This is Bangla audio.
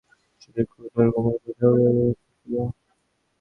অনন্ত সম্পন্ন গৃহস্থ তার গায়ের সাঠিনের কোট আর কোমরে বাঁধা উড়ানিই তা ঘোষণা করে!